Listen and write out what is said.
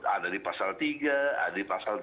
ada di pasal tiga ada di pasal tujuh puluh empat